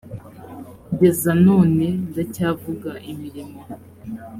kugeza none ndacyavuga imirimo